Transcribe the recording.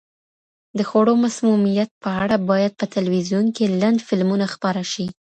د خوړو مسمومیت په اړه باید په تلویزیون کې لنډ فلمونه خپاره شي.